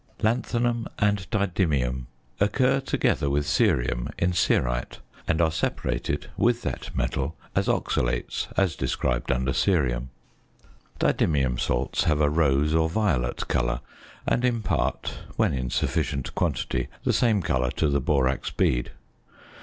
LANTHANUM AND DIDYMIUM occur together with cerium in cerite, and are separated with that metal as oxalates, as described under Cerium. Didymium salts have a rose or violet colour, and impart (when in sufficient quantity) the same colour to the borax bead.